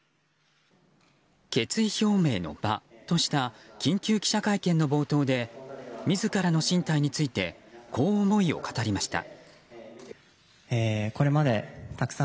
決意表明の場とした緊急記者会見の冒頭で自らの進退についてこう思いを語りました。